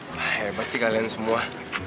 wah hebat sih kalian semua